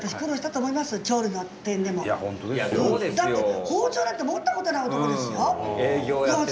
だって包丁なんて持ったことない男ですよ。